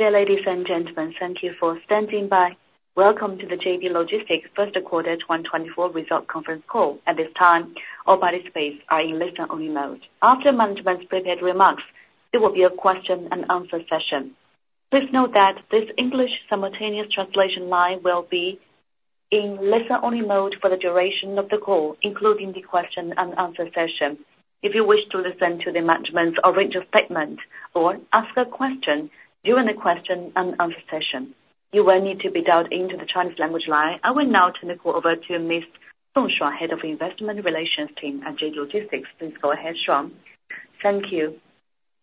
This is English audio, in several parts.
Good day, ladies and gentlemen. Thank you for standing by. Welcome to the JD Logistics First Quarter 2024 Results Conference Call. At this time, all parties are in listen-only mode. After management's prepared remarks, there will be a question-and-answer session. Please note that this English simultaneous translation line will be in listen-only mode for the duration of the call, including the question-and-answer session. If you wish to listen to the management's original statement or ask a question during the question-and-answer session, you will need to be dialed into the Chinese language line. I will now turn the call over to Ms. Shuangshuang, Head of Investment Relations team at JD Logistics. Please go ahead, Shuang. Thank you,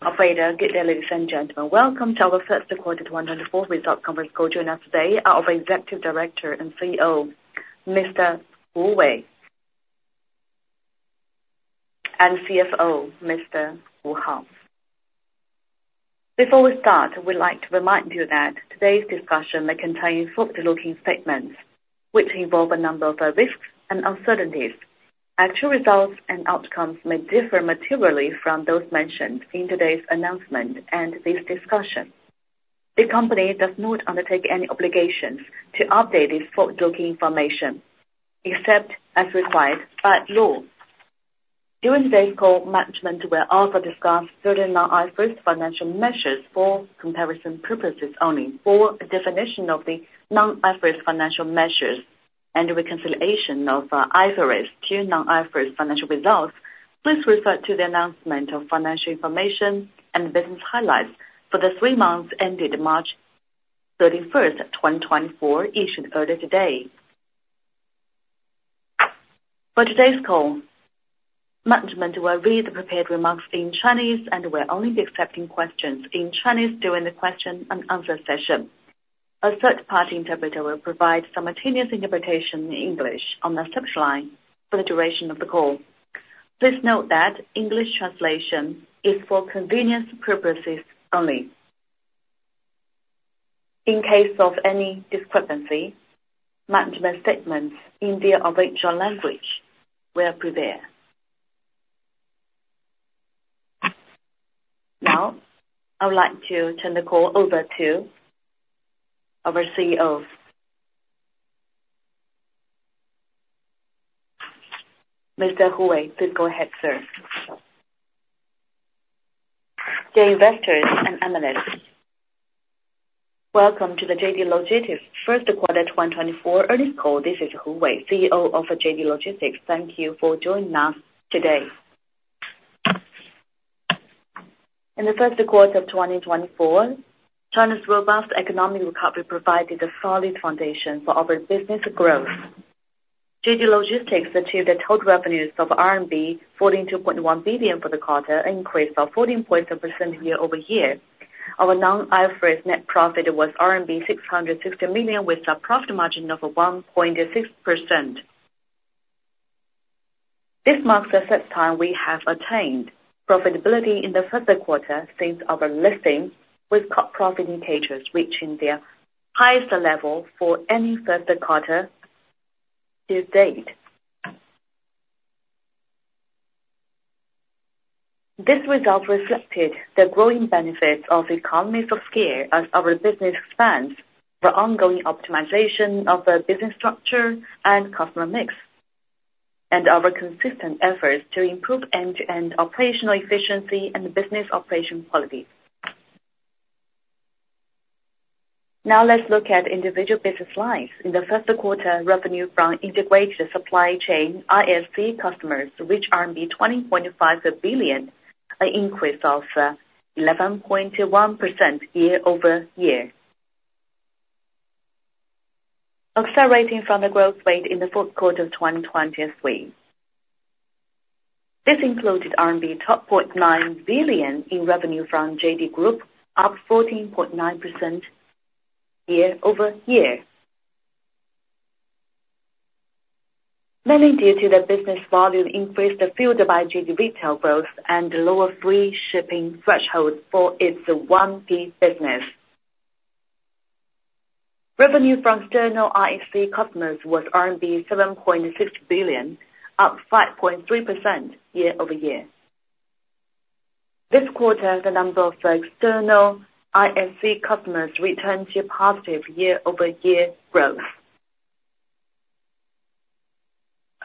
operator. Good day, ladies and gentlemen. Welcome to our first quarter 2024 results conference call. Joining us today are our Executive Director and CEO, Mr. Hu Wei, and CFO, Mr. Wu Hao. Before we start, we'd like to remind you that today's discussion may contain forward-looking statements, which involve a number of risks and uncertainties. Actual results and outcomes may differ materially from those mentioned in today's announcement and this discussion. The company does not undertake any obligations to update this forward-looking information, except as required by law. During today's call, management will also discuss certain non-IFRS financial measures for comparison purposes only. For a definition of the non-IFRS financial measures and the reconciliation of IFRS to non-IFRS financial results, please refer to the announcement of financial information and the business highlights for the three months ended March 31, 2024, issued earlier today. For today's call, management will read the prepared remarks in Chinese and will only be accepting questions in Chinese during the question-and-answer session. A third-party interpreter will provide simultaneous interpretation in English on the translation line for the duration of the call. Please note that English translation is for convenience purposes only. In case of any discrepancy, management statements in their original language will prevail. Now, I would like to turn the call over to our CEO. Mr. Hu Wei, please go ahead, sir. Dear investors and analysts, welcome to the JD Logistics first quarter 2024 earnings call. This is Hu Wei, CEO of JD Logistics. Thank you for joining us today. In the first quarter of 2024, China's robust economic recovery provided a solid foundation for our business growth. JD Logistics achieved a total revenues of RMB 42.1 billion for the quarter, an increase of 14.2% year-over-year. Our non-IFRS net profit was RMB 660 million, with a profit margin of 1.6%. This marks the first time we have attained profitability in the first quarter since our listing, with core profit indicators reaching their highest level for any first quarter to date. This result reflected the growing benefits of economies of scale as our business expands, the ongoing optimization of the business structure and customer mix, and our consistent efforts to improve end-to-end operational efficiency and business operation quality. Now, let's look at individual business lines. In the first quarter, revenue from integrated supply chain, ISC customers, reached 20.5 billion, an increase of 11.1% year-over-year. Accelerating from the growth rate in the fourth quarter of 2023. This included RMB 12.9 billion in revenue from JD Group, up 14.9% year-over-year. Mainly due to the business volume increased, fueled by JD Retail growth and lower free shipping thresholds for its 1P business. Revenue from external ISC customers was RMB 7.6 billion, up 5.3% year-over-year. This quarter, the number of external ISC customers returned to positive year-over-year growth,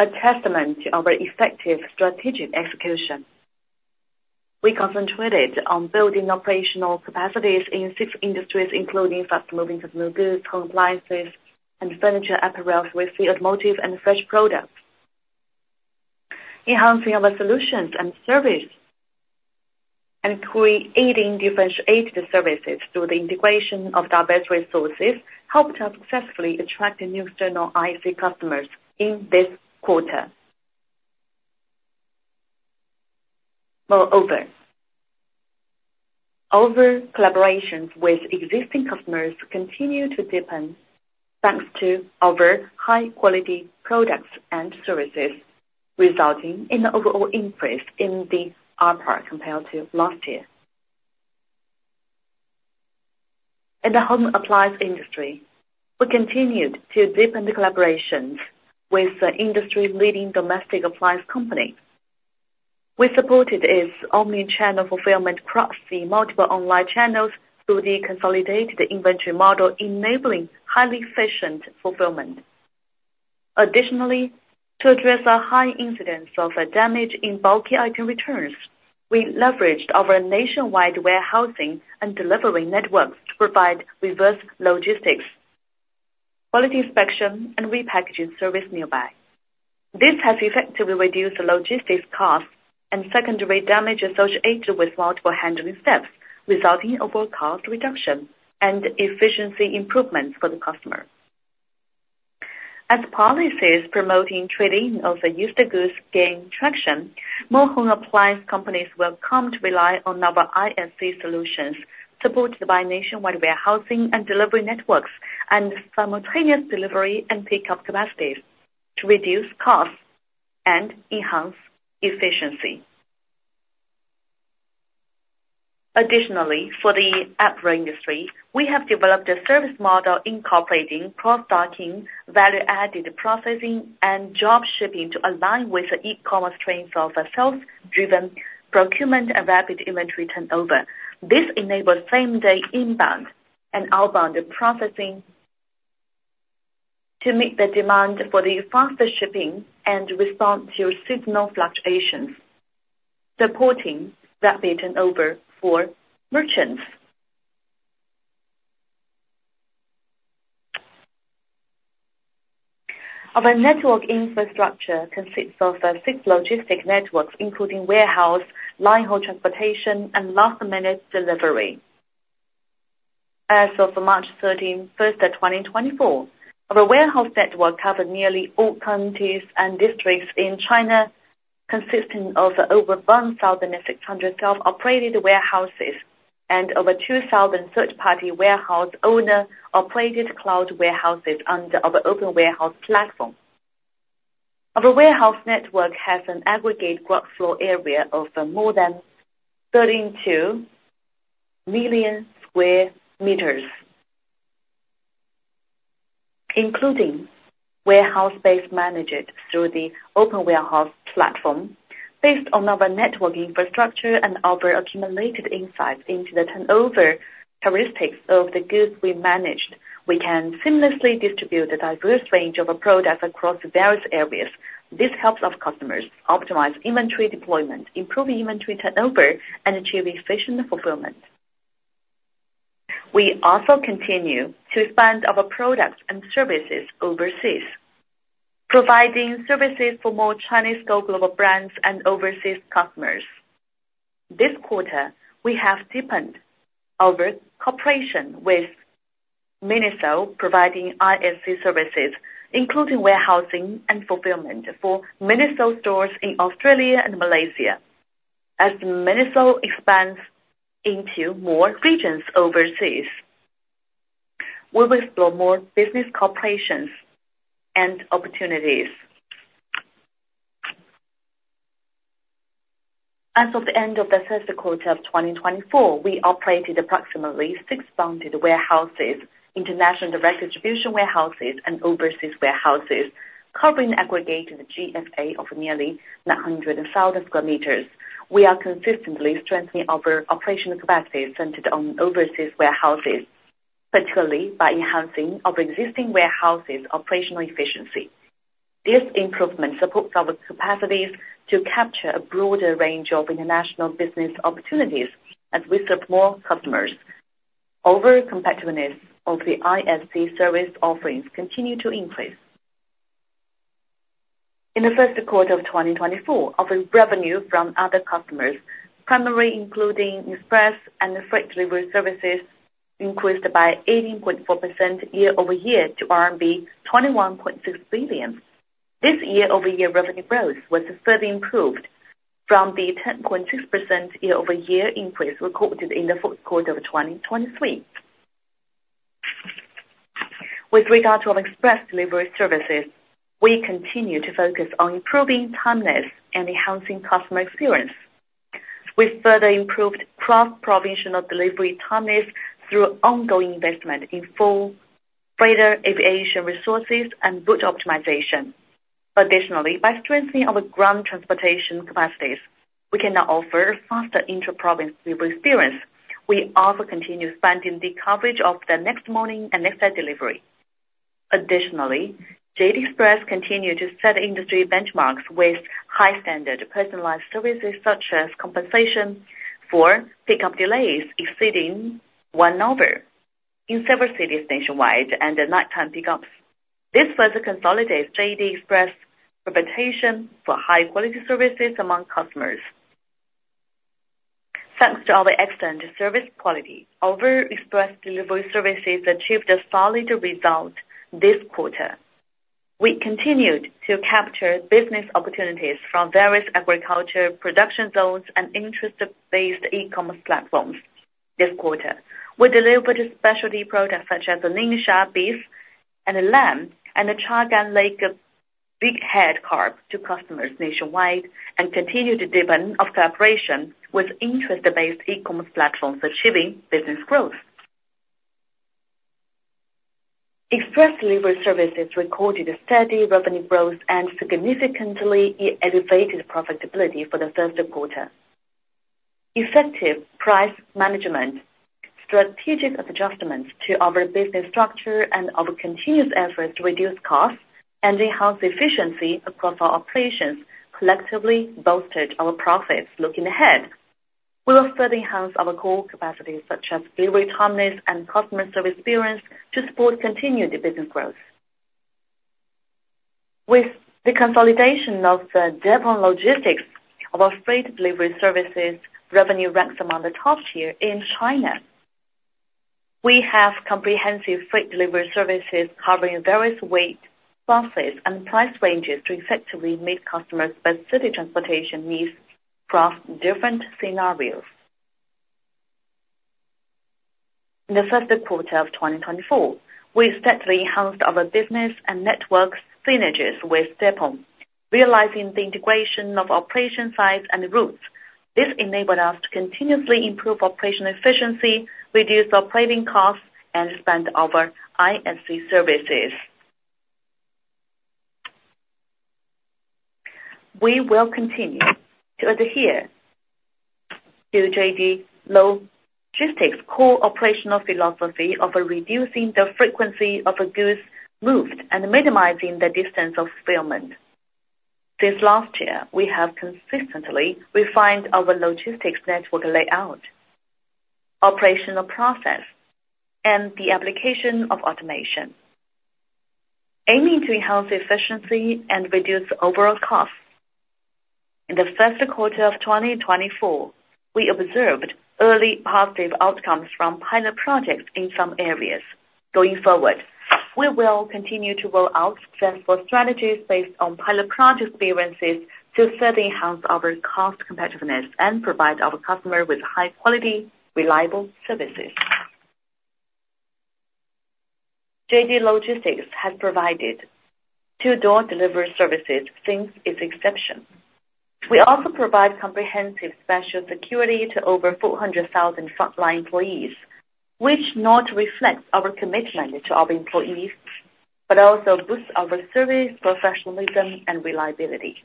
a testament to our effective strategic execution. We concentrated on building operational capacities in six industries, including fast-moving consumer goods, home appliances and furniture, apparels, with automotive and fresh products. Enhancing our solutions and service, and creating differentiated services through the integration of diverse resources, helped us successfully attract new external ISC customers in this quarter. Moreover, our collaborations with existing customers continue to deepen, thanks to our high-quality products and services, resulting in an overall increase in the ARPA compared to last year. In the home appliance industry, we continued to deepen the collaborations with the industry-leading domestic appliance company. We supported its omni-channel fulfillment across the multiple online channels through the consolidated inventory model, enabling highly efficient fulfillment. Additionally, to address the high incidence of damage in bulky item returns, we leveraged our nationwide warehousing and delivery networks to provide reverse logistics, quality inspection, and repackaging service nearby. This has effectively reduced the logistics costs and secondary damage associated with multiple handling steps, resulting in overall cost reduction and efficiency improvements for the customer. As policies promoting trade-in of used goods gain traction, more home appliance companies will come to rely on our ISC solutions to build the nationwide warehousing and delivery networks and simultaneous delivery and pickup capacities to reduce costs and enhance efficiency. Additionally, for the apparel industry, we have developed a service model incorporating cross-docking, value-added processing, and drop shipping to align with the e-commerce trends of a self-driven procurement and rapid inventory turnover. This enables same-day inbound and outbound processing to meet the demand for the faster shipping and respond to seasonal fluctuations, supporting rapid turnover for merchants. Our network infrastructure consists of six logistics networks, including warehouse, line haul transportation, and last-mile delivery. As of March 13, first quarter of 2024, our warehouse network covered nearly all counties and districts in China, consisting of over 1,600 self-operated warehouses and over 2,000 third-party warehouse owner-operated cloud warehouses under our open warehouse platform. Our warehouse network has an aggregate gross floor area of more than 32 m² million, including warehouse space managed through the open warehouse platform. Based on our network infrastructure and our accumulated insights into the turnover characteristics of the goods we managed, we can seamlessly distribute a diverse range of products across various areas. This helps our customers optimize inventory deployment, improve inventory turnover, and achieve efficient fulfillment. We also continue to expand our products and services overseas, providing services for more Chinese go-global brands and overseas customers. This quarter, we have deepened our cooperation with MINISO, providing ISC services, including warehousing and fulfillment for MINISO stores in Australia and Malaysia. As MINISO expands into more regions overseas, we will explore more business collaborations and opportunities. As of the end of the first quarter of 2024, we operated approximately six bonded warehouses, international direct distribution warehouses, and overseas warehouses, covering an aggregate GFA of nearly 900,000 m². We are consistently strengthening our operational capacity centered on overseas warehouses, particularly by enhancing our existing warehouses' operational efficiency. This improvement supports our capacities to capture a broader range of international business opportunities as we serve more customers. Overall competitiveness of the ISC service offerings continue to increase. In the first quarter of 2024, our revenue from other customers, primarily including express and freight delivery services, increased by 18.4% year-over-year to RMB 21.6 billion. This year-over-year revenue growth was further improved from the 10.6% year-over-year increase recorded in the fourth quarter of 2023. With regard to our express delivery services, we continue to focus on improving timelines and enhancing customer experience. We've further improved cross-provincial delivery timelines through ongoing investment in full freighter aviation resources and route optimization. Additionally, by strengthening our ground transportation capacities, we can now offer faster inter-province delivery experience. We also continue expanding the coverage of the next morning and next day delivery. Additionally, JD Express continued to set industry benchmarks with high standard personalized services, such as compensation for pickup delays exceeding one hour in several cities nationwide and the nighttime pickups. This further consolidates JD Express' reputation for high-quality services among customers. Thanks to our excellent service quality, our express delivery services achieved a solid result this quarter. We continued to capture business opportunities from various agriculture production zones and interest-based e-commerce platforms this quarter. We delivered specialty products such as the Ningxia beef and lamb, and the Chagan Lake bighead carp to customers nationwide, and continued to deepen our cooperation with interest-based e-commerce platforms, achieving business growth.... Express delivery services recorded a steady revenue growth and significantly elevated profitability for the first quarter. Effective price management, strategic adjustments to our business structure, and our continuous efforts to reduce costs and enhance efficiency across our operations collectively bolstered our profits. Looking ahead, we will further enhance our core capacities, such as delivery timeliness and customer service experience, to support continued business growth. With the consolidation of Deppon Logistics, our freight delivery services revenue ranks among the top tier in China. We have comprehensive freight delivery services covering various weight classes and price ranges to effectively meet customers' specific transportation needs across different scenarios. In the first quarter of 2024, we steadily enhanced our business and network synergies with Deppon, realizing the integration of operation size and routes. This enabled us to continuously improve operational efficiency, reduce operating costs, and expand our ISC services. We will continue to adhere to JD Logistics' core operational philosophy of reducing the frequency of goods moved and minimizing the distance of fulfillment. Since last year, we have consistently refined our logistics network layout, operational process, and the application of automation, aiming to enhance efficiency and reduce overall costs. In the first quarter of 2024, we observed early positive outcomes from pilot projects in some areas. Going forward, we will continue to roll out successful strategies based on pilot project experiences to further enhance our cost competitiveness and provide our customer with high quality, reliable services. JD Logistics has provided two-door delivery services since its inception. We also provide comprehensive personal security to over 400,000 frontline employees, which not reflect our commitment to our employees, but also boosts our service, professionalism, and reliability.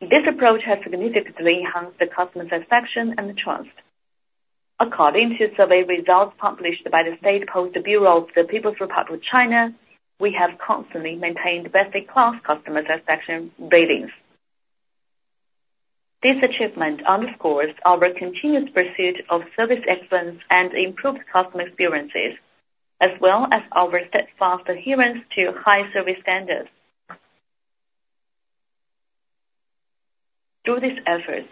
This approach has significantly enhanced the customer satisfaction and trust. According to survey results published by the State Post Bureau of the People's Republic of China, we have constantly maintained best-in-class customer satisfaction ratings. This achievement underscores our continuous pursuit of service excellence and improved customer experiences, as well as our steadfast adherence to high service standards. Through these efforts,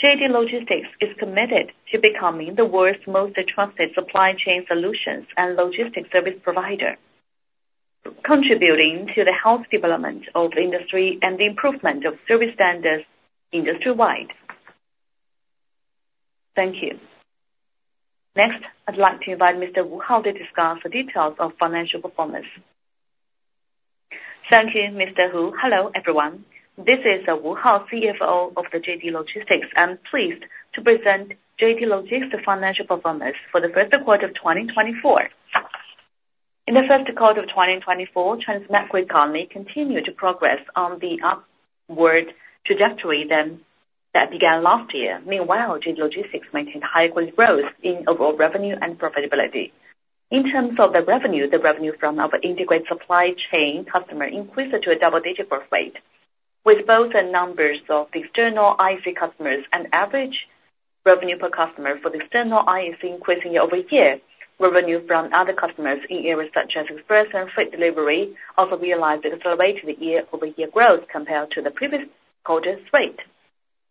JD Logistics is committed to becoming the world's most trusted supply chain solutions and logistics service provider, contributing to the health development of the industry and the improvement of service standards industry-wide. Thank you. Next, I'd like to invite Mr. Wu Hao to discuss the details of financial performance. Thank you, Mr. Wu. Hello, everyone. This is Wu Hao, CFO of JD Logistics. I'm pleased to present JD Logistics' financial performance for the first quarter of 2024. In the first quarter of 2024, China's macroeconomy continued to progress on the upward trajectory that began last year. Meanwhile, JD Logistics maintained high-quality growth in overall revenue and profitability. In terms of the revenue, the revenue from our integrated supply chain customer increased to a double-digit growth rate, with both the numbers of the external ISC customers and average revenue per customer for the external ISC increasing year-over-year, where revenue from other customers in areas such as express and freight delivery also realized accelerated year-over-year growth compared to the previous quarter's rate.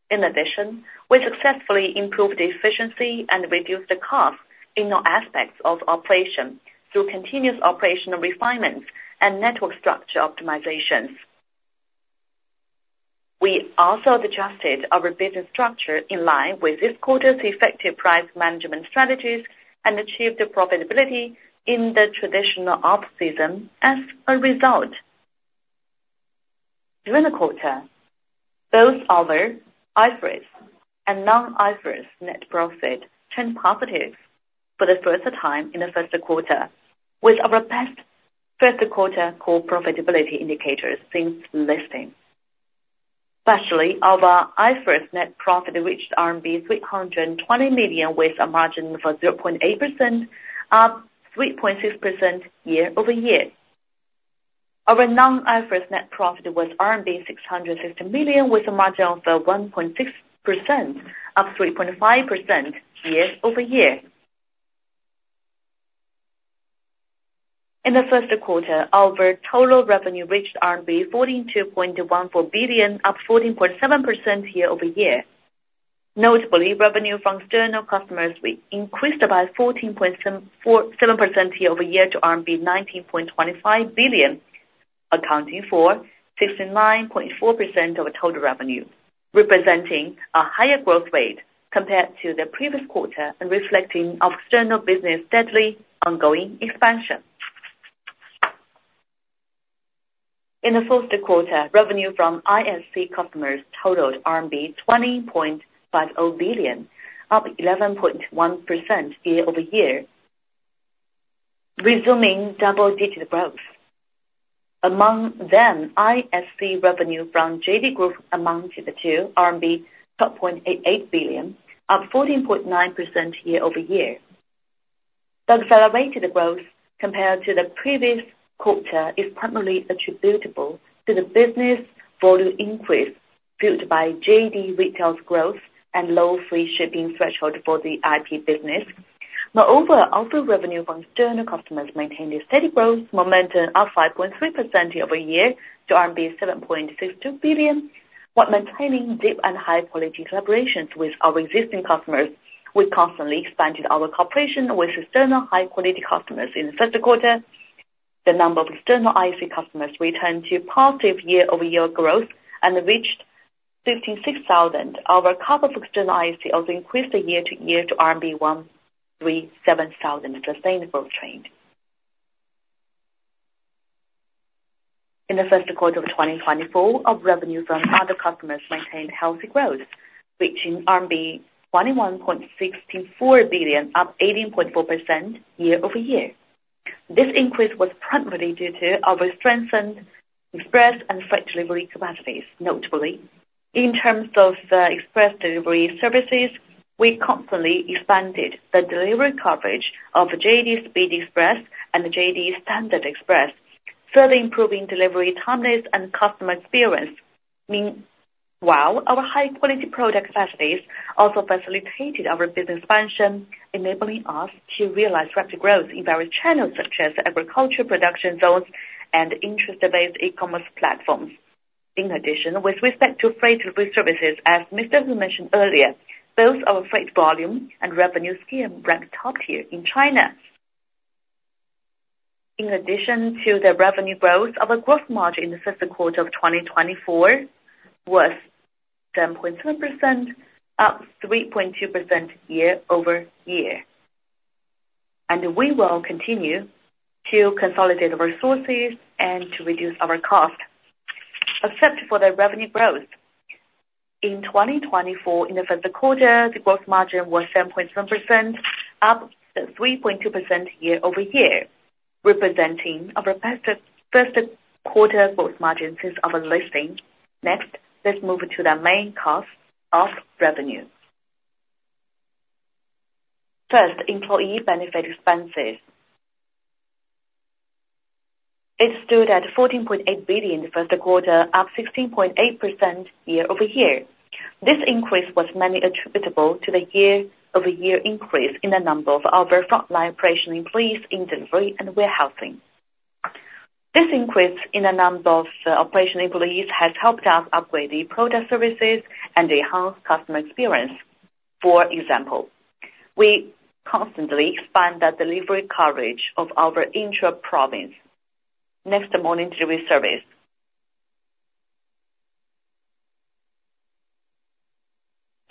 In addition, we successfully improved the efficiency and reduced the cost in all aspects of operation through continuous operational refinements and network structure optimizations. We also adjusted our business structure in line with this quarter's effective price management strategies and achieved profitability in the traditional off-season as a result. During the quarter, both our IFRS and non-IFRS net profit turned positive for the first time in the first quarter, with our best first quarter core profitability indicators since listing. Especially, our IFRS net profit reached RMB 300 million, with a margin of 0.8%, up 3.6% year-over-year. Our non-IFRS net profit was RMB 660 million, with a margin of 1.6%, up 3.5% year-over-year. In the first quarter, our total revenue reached RMB 42.14 billion, up 14.7% year-over-year. Notably, revenue from external customers increased by 14.47% year-over-year to RMB 19.25 billion, accounting for 69.4% of total revenue, representing a higher growth rate compared to the previous quarter and reflecting our external business' steadily ongoing expansion.... In the first quarter, revenue from ISC customers totaled RMB 20.50 billion, up 11.1% year-over-year, resuming double-digit growth. Among them, ISC revenue from JD Group amounted to RMB 12.88 billion, up 14.9% year-over-year. The accelerated growth compared to the previous quarter is primarily attributable to the business volume increase fueled by JD Retail's growth and low free shipping threshold for the 1P business. Moreover, also revenue from external customers maintained a steady growth momentum of 5.3% year-over-year to RMB 7.62 billion, while maintaining deep and high-quality collaborations with our existing customers. We constantly expanded our cooperation with external high-quality customers. In the first quarter, the number of external ISC customers returned to positive year-over-year growth and reached 56,000. Our ARPA of external ISC also increased year-over-year to RMB 137,000, sustainable trend. In the first quarter of 2024, our revenue from other customers maintained healthy growth, reaching RMB 21.64 billion, up 18.4% year-over-year. This increase was primarily due to our strengthened express and freight delivery capacities, notably. In terms of express delivery services, we constantly expanded the delivery coverage of JD Speed Express and the JD Standard Express, further improving delivery timelines and customer experience. Meanwhile, our high-quality product specialties also facilitated our business expansion, enabling us to realize rapid growth in various channels, such as agriculture production zones and interest-based e-commerce platforms. In addition, with respect to freight delivery services, as Mr. Hu mentioned earlier, both our freight volume and revenue scale ranked top tier in China. In addition to the revenue growth, our gross margin in the first quarter of 2024 was 10.2%, up 3.2% year-over-year, and we will continue to consolidate our resources and to reduce our cost. Except for the revenue growth, in 2024, in the first quarter, the gross margin was 10.1%, up 3.2% year-over-year, representing our best first quarter gross margin since our listing. Next, let's move to the main cost of revenue. First, employee benefit expenses. It stood at 14.8 billion in the first quarter, up 16.8% year-over-year. This increase was mainly attributable to the year-over-year increase in the number of our frontline operational employees in delivery and warehousing. This increase in the number of operational employees has helped us upgrade the product services and enhance customer experience. For example, we constantly expand the delivery coverage of our intra-province next morning delivery service.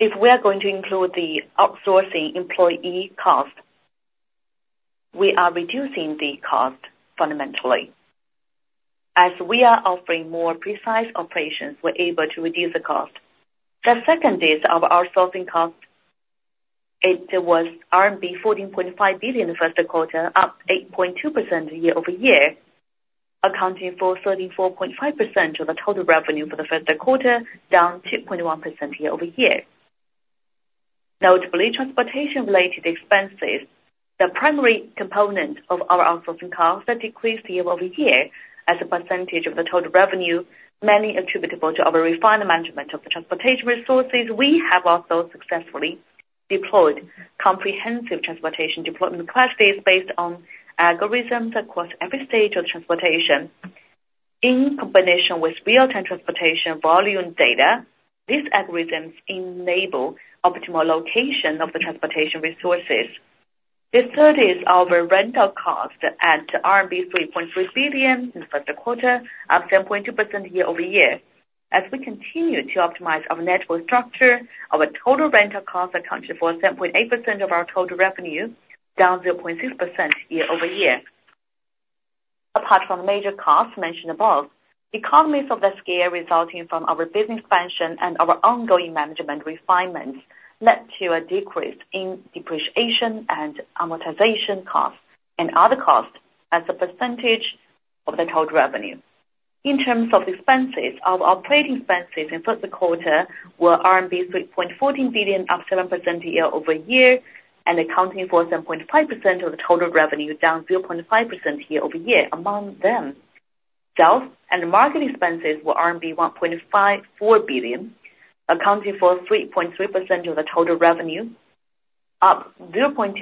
If we are going to include the outsourcing employee cost, we are reducing the cost fundamentally. As we are offering more precise operations, we're able to reduce the cost. The second is our outsourcing cost. It was RMB 14.5 billion in the first quarter, up 8.2% year-over-year, accounting for 34.5% of the total revenue for the first quarter, down 2.1% year-over-year. Notably, transportation-related expenses, the primary component of our outsourcing costs, have decreased year-over-year as a percentage of the total revenue, mainly attributable to our refined management of the transportation resources. We have also successfully deployed comprehensive transportation deployment strategies based on algorithms across every stage of transportation. In combination with real-time transportation volume data, these algorithms enable optimal allocation of the transportation resources. The third is our rental cost at RMB 3.3 billion in the first quarter, up 10.2% year-over-year. As we continue to optimize our network structure, our total rental costs accounted for 7.8% of our total revenue, down 0.6% year-over-year. Apart from the major costs mentioned above, economies of scale resulting from our business expansion and our ongoing management refinements led to a decrease in depreciation and amortization costs and other costs as a percentage of the total revenue. In terms of expenses, our operating expenses in the first quarter were RMB 3.14 billion, up 7% year-over-year, and accounting for 7.5% of the total revenue, down 0.5% year-over-year. Among them, sales and marketing expenses were RMB 1.54 billion, accounting for 3.3% of the total revenue, up 0.2%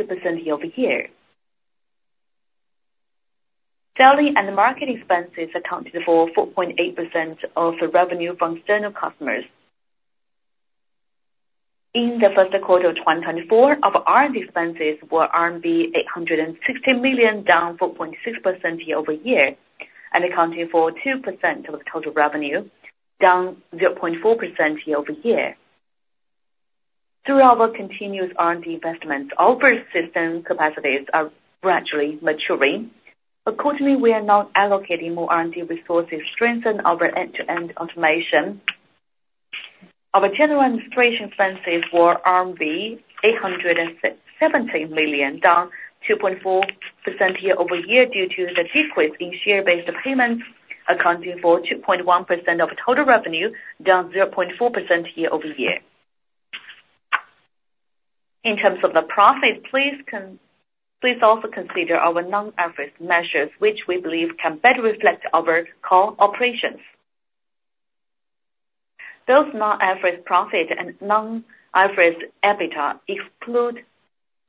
year-over-year. Selling and marketing expenses accounted for 4.8% of the revenue from external customers. In the first quarter of 2024, our R&D expenses were RMB 860 million, down 4.6% year-over-year, and accounting for 2% of the total revenue, down 0.4% year-over-year. Through our continuous R&D investments, our system capacities are gradually maturing. Accordingly, we are now allocating more R&D resources to strengthen our end-to-end automation. Our general administration expenses were RMB 817 million, down 2.4% year-over-year due to the decrease in share-based payments, accounting for 2.1% of total revenue, down 0.4% year-over-year. In terms of the profit, please also consider our non-IFRS measures, which we believe can better reflect our core operations. Those non-IFRS profit and non-IFRS EBITDA exclude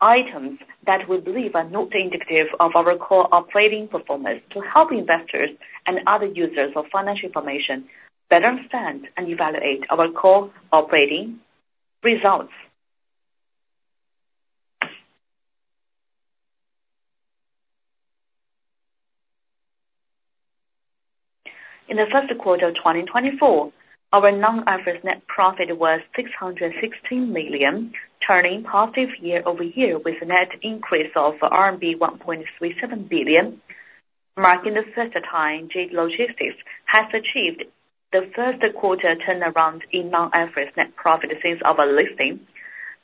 items that we believe are not indicative of our core operating performance to help investors and other users of financial information better understand and evaluate our core operating results. In the first quarter of 2024, our non-IFRS net profit was 616 million, turning positive year-over-year with a net increase of RMB 1.37 billion, marking the first time JD Logistics has achieved the first quarter turnaround in non-IFRS net profit since our listing.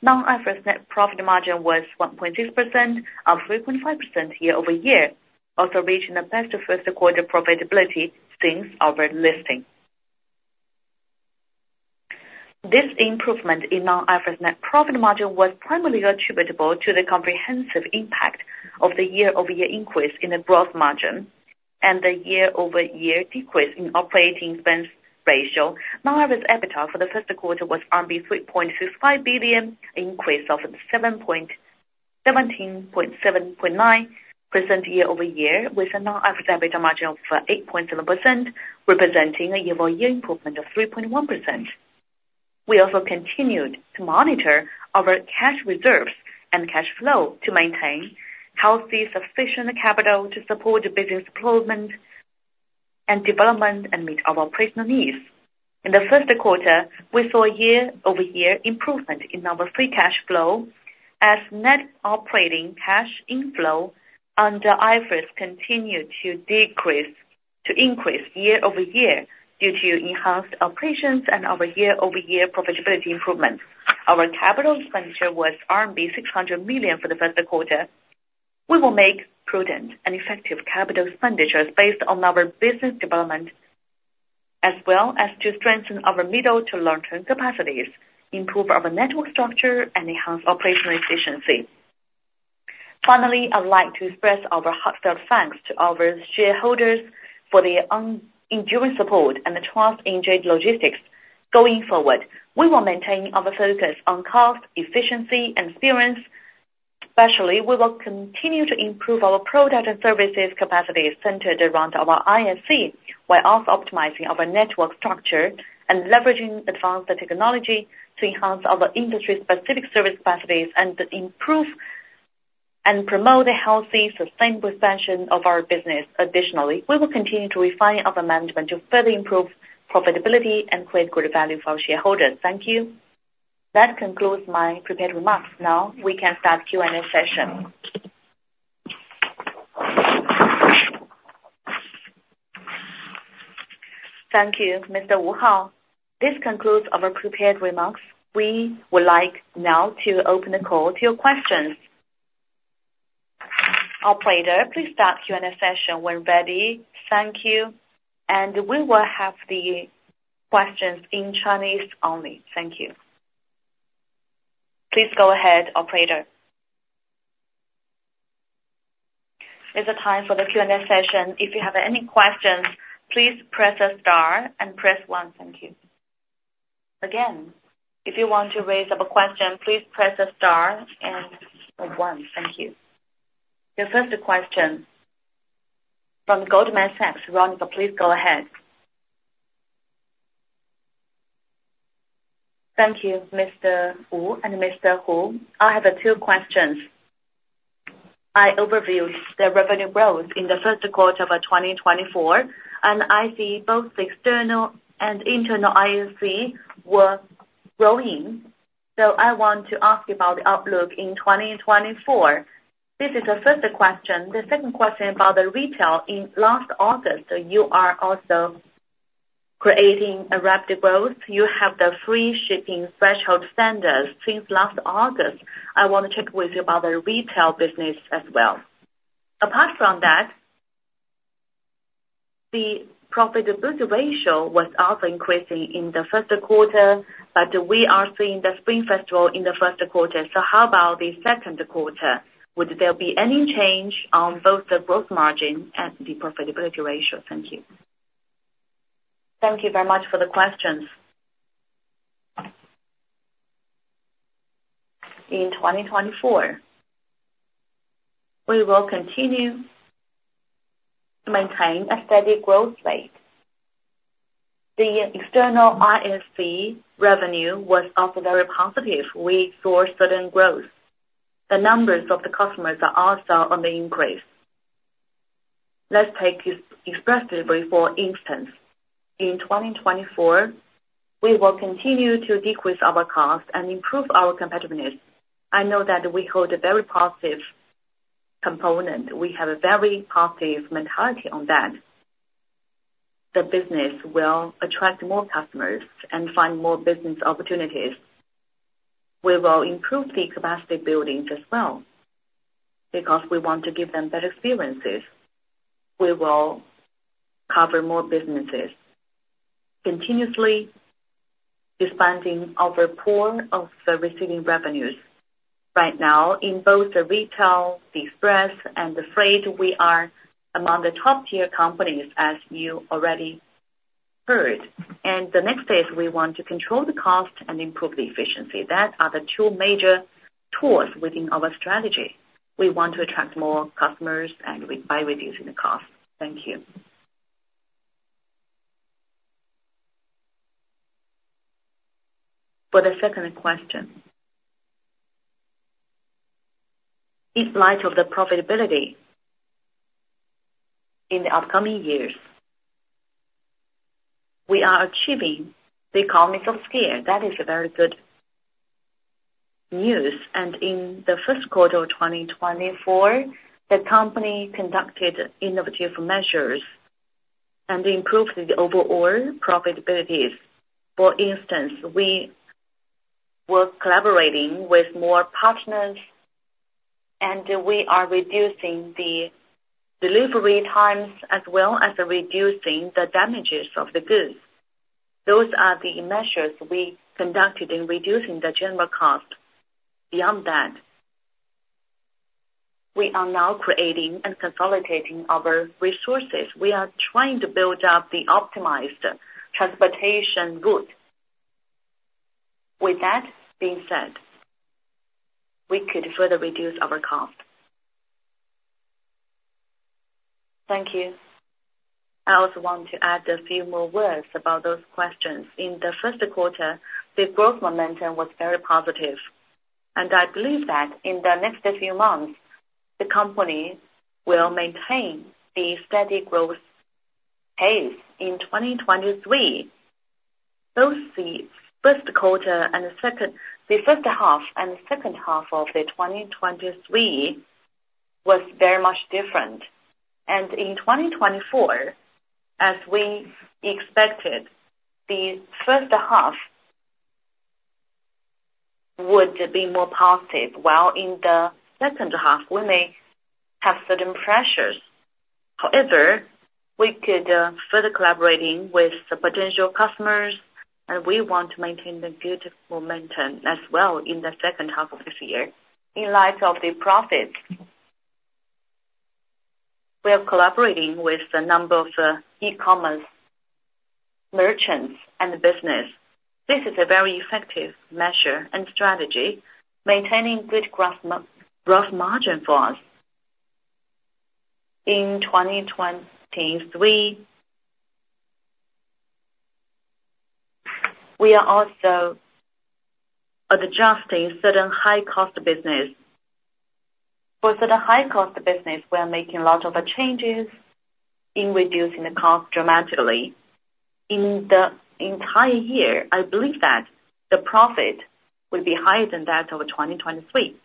Non-IFRS net profit margin was 1.6%, up 3.5% year-over-year, also reaching the best first quarter profitability since our listing. This improvement in non-IFRS net profit margin was primarily attributable to the comprehensive impact of the year-over-year increase in the growth margin and the year-over-year decrease in operating expense ratio. Non-IFRS EBITDA for the first quarter was 3.65 billion, an increase of 7.9% year-over-year, with a non-IFRS EBITDA margin of 8.7%, representing a year-over-year improvement of 3.1%. We also continued to monitor our cash reserves and cash flow to maintain healthy, sufficient capital to support business deployment and development and meet our personal needs. In the first quarter, we saw year-over-year improvement in our free cash flow as net operating cash inflow under IFRS continued to increase year-over-year due to enhanced operations and our year-over-year profitability improvement. Our capital expenditure was 600 million for the first quarter. We will make prudent and effective capital expenditures based on our business development, as well as to strengthen our mid- to long-term capacities, improve our network structure, and enhance operational efficiency. Finally, I'd like to express our heartfelt thanks to our shareholders for their unending support and trust in JD Logistics. Going forward, we will maintain our focus on cost, efficiency, and experience. Especially, we will continue to improve our products and services capacities centered around our ISC, while also optimizing our network structure and leveraging advanced technology to enhance our industry-specific service capacities and improve and promote a healthy, sustainable expansion of our business. Additionally, we will continue to refine our management to further improve profitability and create good value for our shareholders. Thank you. That concludes my prepared remarks. Now we can start Q&A session. Thank you, Mr. Wu Hao. This concludes our prepared remarks. We would like now to open the call to your questions. Operator, please start Q&A session when ready. Thank you. We will have the questions in Chinese only. Thank you. Please go ahead, operator. It's the time for the Q&A session. If you have any questions, please press star and press one. Thank you. Again, if you want to raise up a question, please press star and one. Thank you. The first question from Goldman Sachs. Ron, please go ahead. Thank you, Mr. Wu and Mr. Hu. I have two questions. I overviewed the revenue growth in the first quarter of 2024, and I see both the external and internal ISC were growing. So I want to ask you about the outlook in 2024. This is the first question. The second question about the retail in last August, you are also creating a rapid growth. You have the free shipping threshold standards since last August. I want to check with you about the retail business as well. Apart from that, the profitability ratio was also increasing in the first quarter, but we are seeing the Spring Festival in the first quarter. So how about the second quarter? Would there be any change on both the growth margin and the profitability ratio? Thank you. Thank you very much for the questions. In 2024, we will continue to maintain a steady growth rate. The external ISC revenue was also very positive. We saw certain growth. The numbers of the customers are also on the increase. Let's take express delivery, for instance. In 2024, we will continue to decrease our cost and improve our competitiveness. I know that we hold a very positive component. We have a very positive mentality on that. The business will attract more customers and find more business opportunities. We will improve the capacity buildings as well, because we want to give them better experiences. We will cover more businesses, continuously expanding our pool of service-seeking revenues. Right now, in both the retail, the express, and the freight, we are among the top tier companies, as you already heard. The next phase, we want to control the cost and improve the efficiency. That are the two major tools within our strategy. We want to attract more customers and re- by reducing the cost. Thank you. For the second question, in light of the profitability in the upcoming years, we are achieving the economies of scale. That is a very good news, and in the first quarter of 2024, the company conducted innovative measures and improved the overall profitabilities. For instance, we were collaborating with more partners, and we are reducing the delivery times, as well as reducing the damages of the goods. Those are the measures we conducted in reducing the general cost. Beyond that, we are now creating and consolidating our resources. We are trying to build up the optimized transportation goods. With that being said, we could further reduce our cost. Thank you. I also want to add a few more words about those questions. In the first quarter, the growth momentum was very positive, and I believe that in the next few months, the company will maintain the steady growth pace. In 2023, both the first quarter and the second... The first half and the second half of 2023 was very much different. In 2024, as we expected, the first half would be more positive, while in the second half, we may have certain pressures. However, we could further collaborating with the potential customers, and we want to maintain the good momentum as well in the second half of this year. In light of the profit, we are collaborating with a number of e-commerce merchants and business. This is a very effective measure and strategy, maintaining good gross margin for us. In 2023, we are also adjusting certain high-cost business. For the high-cost business, we are making a lot of changes in reducing the cost dramatically. In the entire year, I believe that the profit will be higher than that of 2023.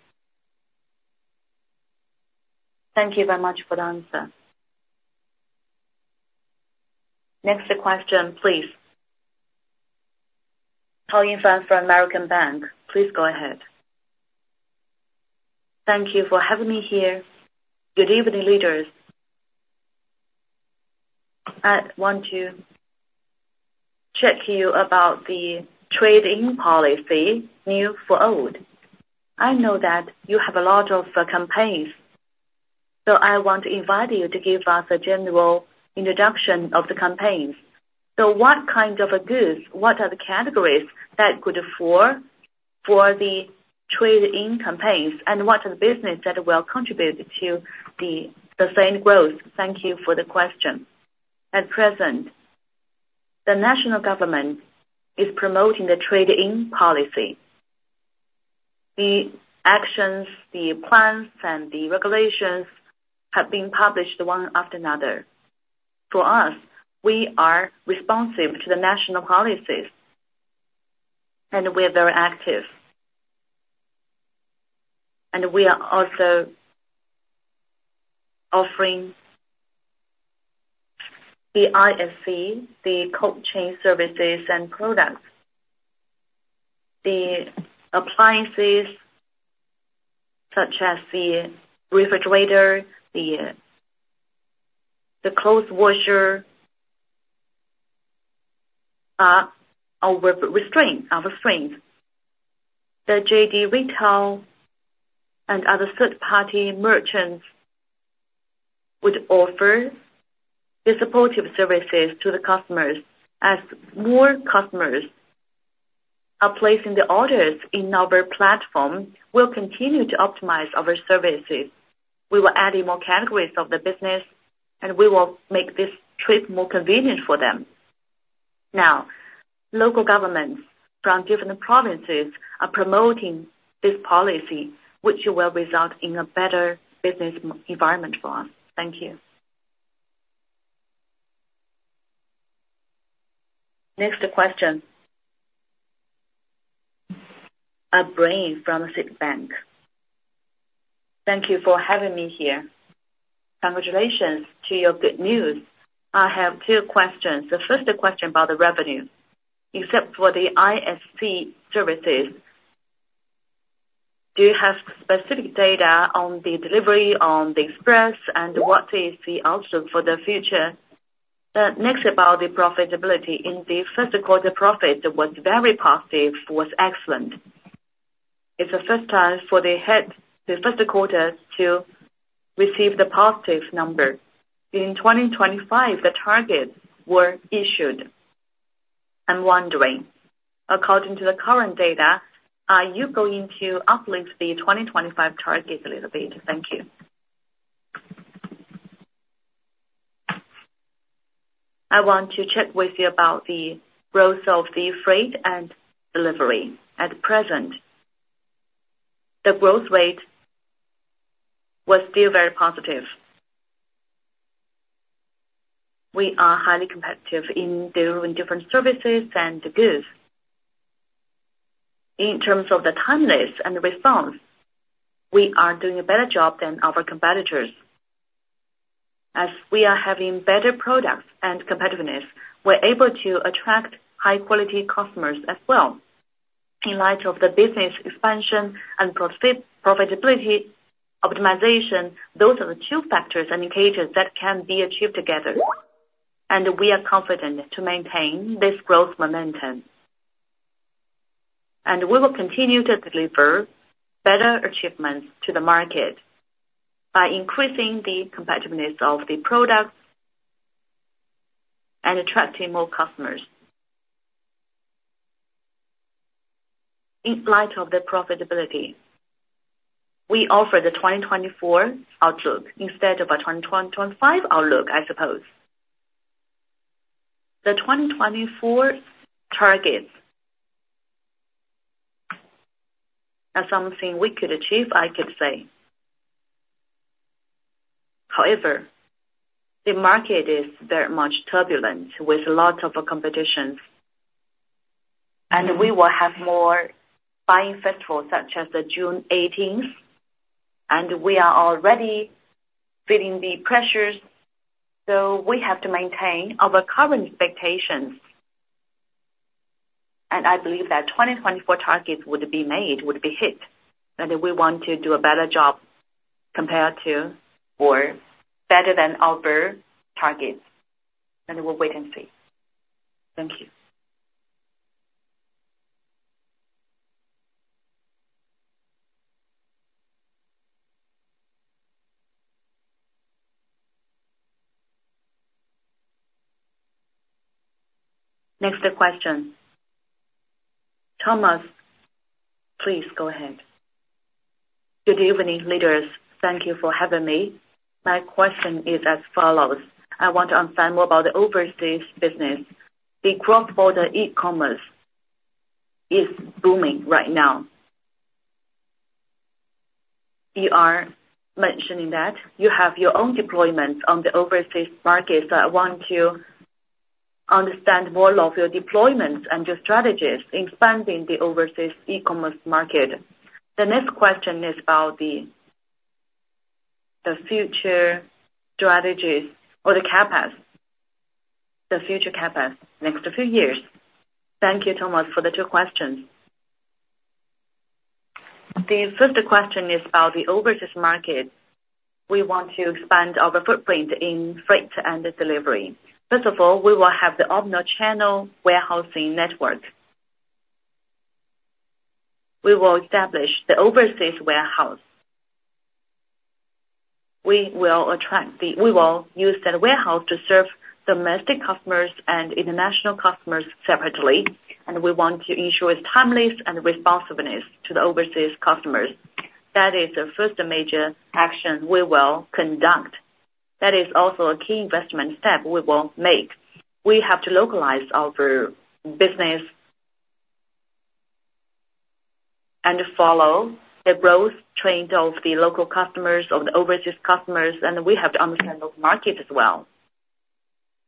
Thank you very much for the answer. Next question, please. Paulin Fan from Bank of America, please go ahead. Thank you for having me here. Good evening, leaders. I want to check you about the trade-in policy, new for old. I know that you have a lot of campaigns, so I want to invite you to give us a general introduction of the campaigns. So what kind of goods, what are the categories that could afford for the trade-in campaigns, and what are the business that will contribute to the same growth? Thank you for the question. At present, the national government is promoting the trade-in policy. The actions, the plans, and the regulations have been published one after another. For us, we are responsive to the national policies, and we are very active. And we are also offering the ISC, the cold chain services and products. The appliances, such as the refrigerator, the clothes washer, are our strength. The JD Retail and other third-party merchants would offer the supportive services to the customers. As more customers are placing the orders in our platform, we'll continue to optimize our services. We will adding more categories of the business, and we will make this trip more convenient for them.... Now, local governments from different provinces are promoting this policy, which will result in a better business environment for us. Thank you. Next question. Brian from Citi Bank. Thank you for having me here. Congratulations to your good news. I have two questions. The first question about the revenue. Except for the ISC services, do you have specific data on the delivery on the express, and what is the outlook for the future? Next, about the profitability. In the first quarter, profit was very positive, was excellent. It's the first time for the head, the first quarter, to receive the positive number. In 2025, the targets were issued. I'm wondering, according to the current data, are you going to uplift the 2025 target a little bit? Thank you. I want to check with you about the growth of the freight and delivery. At present, the growth rate was still very positive. We are highly competitive in delivering different services and the goods. In terms of the timelines and the response, we are doing a better job than our competitors. As we are having better products and competitiveness, we're able to attract high quality customers as well. In light of the business expansion and profitability optimization, those are the two factors and indicators that can be achieved together, and we are confident to maintain this growth momentum. We will continue to deliver better achievements to the market by increasing the competitiveness of the products and attracting more customers. In light of the profitability, we offer the 2024 outlook instead of a 2025 outlook, I suppose. The 2024 targets are something we could achieve, I could say. However, the market is very much turbulent, with a lot of competition, and we will have more buying festivals, such as June 18, and we are already feeling the pressures, so we have to maintain our current expectations. I believe that 2024 targets would be made, would be hit, and we want to do a better job compared to, or better than our targets, and we'll wait and see. Thank you. Next question. Thomas, please go ahead. Good evening, leaders. Thank you for having me. My question is as follows: I want to understand more about the overseas business. The cross-border e-commerce is booming right now. You are mentioning that you have your own deployment on the overseas market, so I want to understand more of your deployments and your strategies in expanding the overseas e-commerce market. The next question is about the future strategies or the CapEx, the future CapEx, next few years. Thank you, Thomas, for the two questions. The first question is about the overseas market. We want to expand our footprint in freight and delivery. First of all, we will have the omni-channel warehousing network. We will establish the overseas warehouse. We will use that warehouse to serve domestic customers and international customers separately, and we want to ensure its timeliness and responsiveness to the overseas customers. That is the first major action we will conduct. That is also a key investment step we will make. We have to localize our business and follow the growth trend of the local customers, of the overseas customers, and we have to understand those markets as well.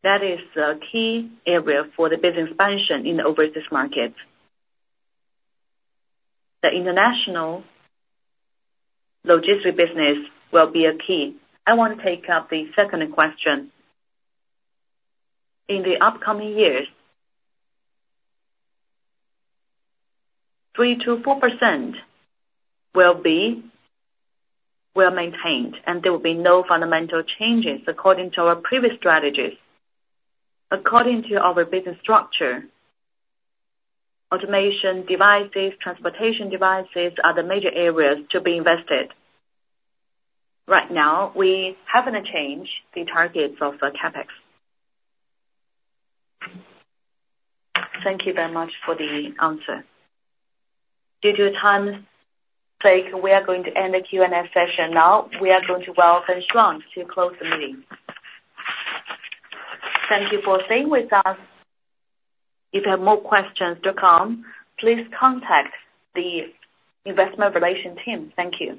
That is a key area for the business expansion in the overseas market. The international logistic business will be a key. I want to take up the second question. In the upcoming years, 3%-4% will be well-maintained, and there will be no fundamental changes according to our previous strategies. According to our business structure, automation devices, transportation devices are the major areas to be invested. Right now, we haven't changed the targets of CapEx. Thank you very much for the answer. Due to time sake, we are going to end the Q&A session now. We are going to welcome Shuang to close the meeting. Thank you for staying with us. If you have more questions to come, please contact the Investor Relations team. Thank you.